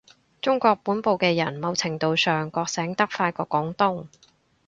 中國本部嘅人某程度上覺醒得快過廣東